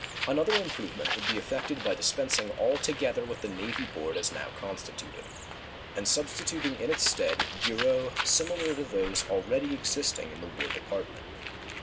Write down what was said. Another improvement would be effected by dispensing altogether with the Navy Board as now constituted, and substituting in its stead bureaux similar to those already existing in the War Department.